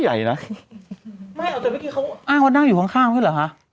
ไม่เอาจริงเงี้ยเขาอ้างว่านั่งอยู่ข้างข้างคุณหรือยักดิจระฮะ